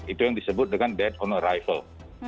itu yang disebut dengan dead on arrival